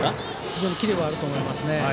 非常にキレはあると思いますね。